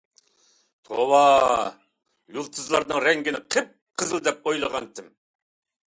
توۋا. يۇلتۇزلارنىڭ رەڭگىنى قىپقىزىل دەپ ئويلىغانتىم.